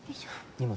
荷物。